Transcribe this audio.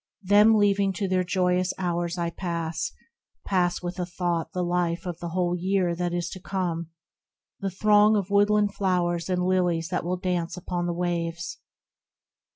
Them leaving to their joyous hours I pass, Pass with a thought the life of the whole year That is to come : the throng of woodland flowers And lilies that will dance upon the waves.